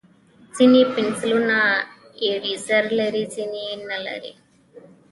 ځینې پنسلونه ایریزر لري، ځینې یې نه لري.